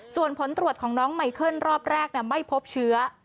ส่วนผลตรวจของน้องไมเคิลรอบแรกไม่พบเชื้อ